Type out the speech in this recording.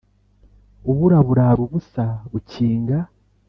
Ub'uraburar'ubusa bukinga